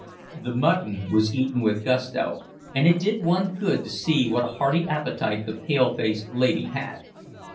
The mutton was eaten with gusto, and it did one good to see what a hearty appetite the pale faced lady had.